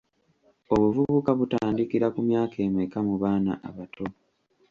Obuvubuka butandikira ku myaka emeka mu baana abato?